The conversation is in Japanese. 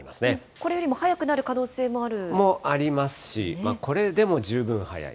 これよりも早くなる可能性もある？も、ありますし、これでも十分早い。